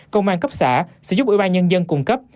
công an cấp xã sẽ giúp ủy ban nhân dân cung cấp